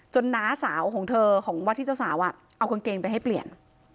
น้าสาวของเธอของวัดที่เจ้าสาวเอากางเกงไปให้เปลี่ยน